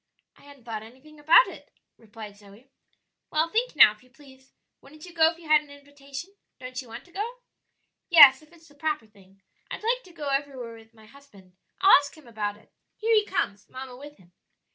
"I hadn't thought anything about it," replied Zoe. "Well, think now, if you please; wouldn't you go if you had an invitation? Don't you want to go?" "Yes, if it's the proper thing; I'd like to go everywhere with my husband. I'll ask him about it. Here he comes, mamma with him."